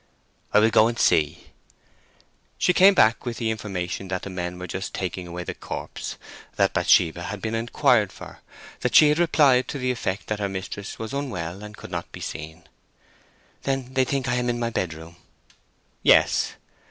"I will go and see." She came back with the information that the men were just taking away the corpse; that Bathsheba had been inquired for; that she had replied to the effect that her mistress was unwell and could not be seen. "Then they think I am in my bedroom?" "Yes."